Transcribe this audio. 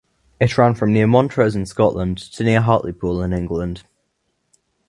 It ran from near Montrose in Scotland to near Hartlepool in England.